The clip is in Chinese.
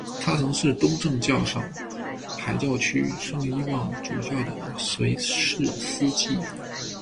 他曾是东正教上海教区圣伊望主教的随侍司祭。